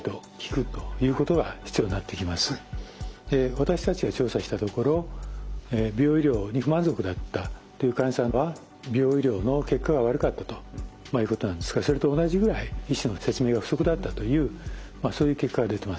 私たちが調査したところ美容医療に不満足だったという患者さんは美容医療の結果が悪かったということなんですがそれと同じぐらい医師の説明が不足だったというそういう結果が出てます。